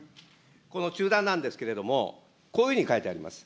この中断なんですけれども、こういうふうに書いてあります。